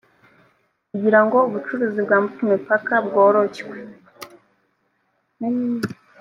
kugira ngo ubucuruzi bwambuka imipaka bworoshywe